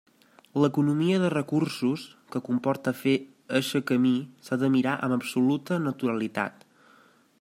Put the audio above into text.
L'economia de recursos que comporta fer eixe camí s'ha de mirar amb absoluta naturalitat.